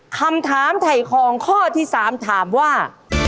คำถามไถ่ของข้อที่๓ถามว่า